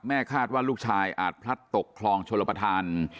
คาดว่าลูกชายอาจพลัดตกคลองชลประธาน